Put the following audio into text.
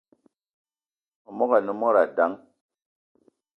Memogo ane mod dang